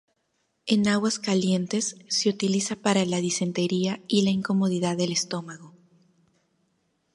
En Aguascalientes, se utiliza para la disentería y la incomodidad del estómago.